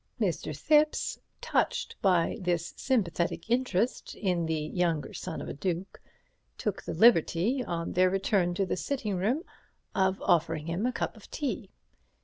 Mr. Thipps, touched by this sympathetic interest in the younger son of a duke, took the liberty, on their return to the sitting room, of offering him a cup of tea.